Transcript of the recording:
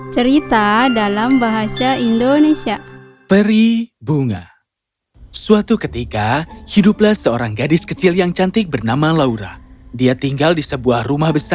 cerita dalam bahasa indonesia